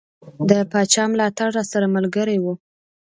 د پاچا ملاتړ راسره ملګری وو.